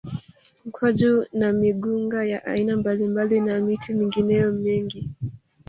Mkwaju na migunga ya aina mbalimbali na miti mingineyo mingi